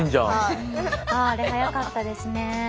あああれ速かったですね。